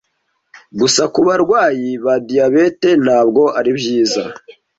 Gusa ku barwayi ba diyabete ntabwo ari byiza